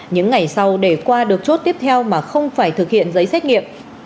những ngày sau để qua được chốt tiếp theo mà không phải thực hiện giấy xét nghiệm